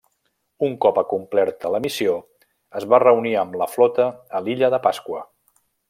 Un cop acomplerta la missió es va reunir amb la flota a l'Illa de Pasqua.